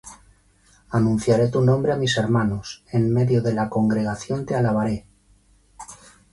Anunciaré tu nombre á mis hermanos: En medio de la congregación te alabaré.